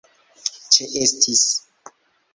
ĉeestis